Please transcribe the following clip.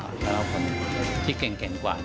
แล้วก็คนที่เก่งกว่า